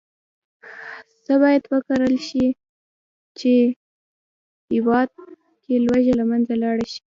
څه باید وکرل شي، چې هېواد کې لوږه له منځه لاړه شي.